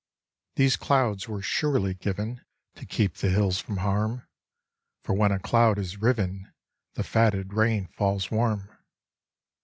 These clouds were surely given To keep the hills from harm, For when a cloud is riven The fatted rain falls warm.